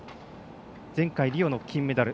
前回リオの金メダル。